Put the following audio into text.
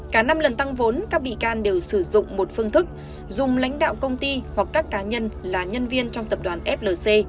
cả năm lần tăng vốn các bị can đều sử dụng một phương thức dùng lãnh đạo công ty hoặc các cá nhân là nhân viên trong tập đoàn flc